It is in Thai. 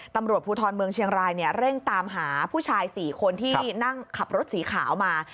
ตำรวจภูทรเมืองเชียงรายเร่งตามหาผู้ชาย๔คนที่นั่งขับรถสีขาวมา